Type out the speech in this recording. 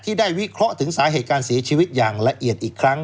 ได้วิเคราะห์ถึงสาเหตุการเสียชีวิตอย่างละเอียดอีกครั้ง